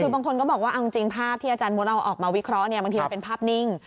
คือบางคนบอกว่าจริงภาพที่อาจารย์มฤาลออกมาวิเคราะห์มันถึงเป็นภาพนิ่ง